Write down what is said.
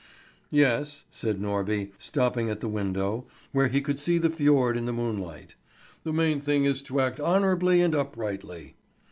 "Yes," said Norby, stopping at the window, where he could see the fjord in the moonlight, "the main thing is to act honourably and uprightly."